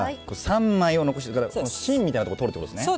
３枚を残してだから芯みたいなとこ取るってことですね。